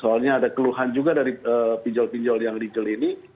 soalnya ada keluhan juga dari pinjol pinjol yang legal ini